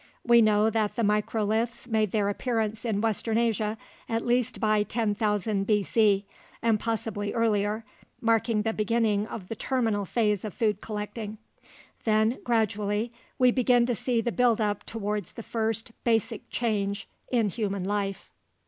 We know that the microliths made their appearance in western Asia at least by 10,000 B.C. and possibly earlier, marking the beginning of the terminal phase of food collecting. Then, gradually, we begin to see the build up towards the first basic change in human life.